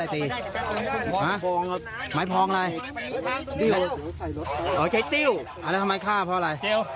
เสพยาป่ะ